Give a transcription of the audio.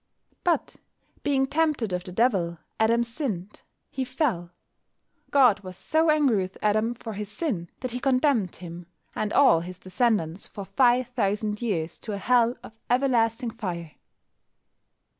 But, being tempted of the Devil, Adam sinned: he fell. God was so angry with Adam for his sin that He condemned him and all his descendants for five thousand years to a Hell of everlasting fire.